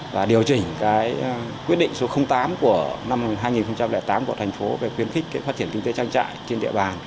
và điều chỉnh cái quyết định số tám của năm hai nghìn tám của thành phố về khuyến khích phát triển kinh tế trang trại trên địa bàn